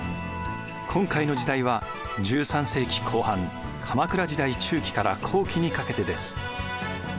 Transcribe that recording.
今回の時代は１３世紀後半鎌倉時代中期から後期にかけてです。